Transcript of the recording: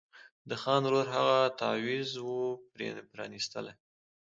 د خان ورور هغه تعویذ وو پرانیستلی